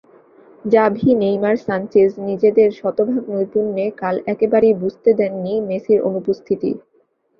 Xavi, Neymar, Sanchez নিজেদের শতভাগ নৈপুণ্যে কাল একেবারেই বুঝতে দেননি মেসির অনুপস্থিতি।